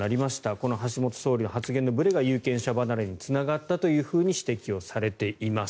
この橋本総理の発言のぶれが有権者離れにつながったと指摘されています。